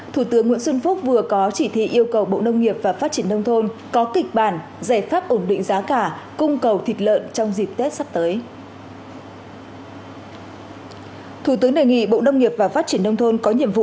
thủ tướng đề nghị bộ đông nghiệp và phát triển đông thôn có nhiệm vụ